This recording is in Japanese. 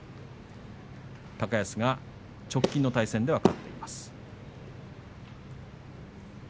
高安が直近の対戦では勝っています。